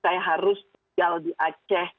saya harus tinggal di aceh